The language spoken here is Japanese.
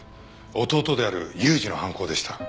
弟である裕二の犯行でした。